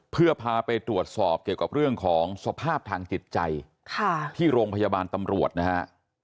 เพื่อพาไปตรวจสอบเกี่ยวกับเรื่องของสภาพทางจิตใจที่โรงพยาบาลตำรวจนะฮะ